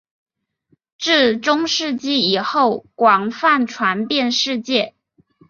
至中世纪以后广泛传遍世界。